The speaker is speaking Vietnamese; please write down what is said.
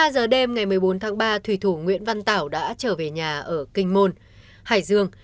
một mươi giờ đêm ngày một mươi bốn tháng ba thủy thủ nguyễn văn tảo đã trở về nhà ở kinh môn hải dương